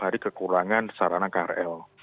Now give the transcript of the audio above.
hari kekurangan sarana krl